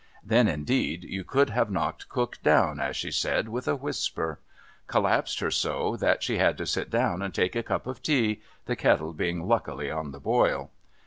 Then, indeed, you could have knocked Cook down, as she said, with a whisper. Collapsed her so, that she had to sit down and take a cup of tea, the kettle being luckily on the boil.